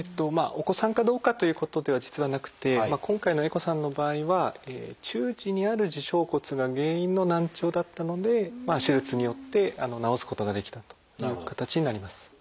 お子さんかどうかということでは実はなくて今回の絵心さんの場合は中耳にある耳小骨が原因の難聴だったので手術によって治すことができたという形になります。